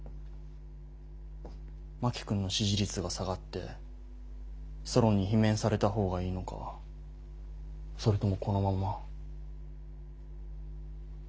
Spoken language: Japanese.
真木君の支持率が下がってソロンに罷免された方がいいのかそれともこのまま。